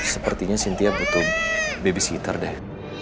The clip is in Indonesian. sepertinya cynthia butuh babysitter deh